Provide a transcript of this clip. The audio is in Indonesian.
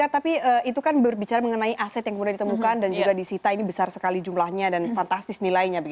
tapi itu kan berbicara mengenai aset yang kemudian ditemukan dan juga disita ini besar sekali jumlahnya dan fantastis nilainya